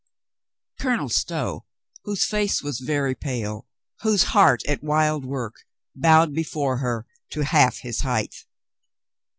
Colonel Stow, whose face was very pale, whose heart at wild work, bowed before her to half his height.